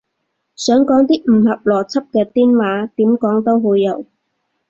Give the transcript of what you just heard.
想講啲唔合邏輯嘅癲話，點講都會有